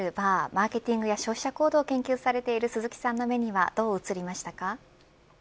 マーケティングや消費者行動を研究されている鈴木さんの目にはどう映りましたか。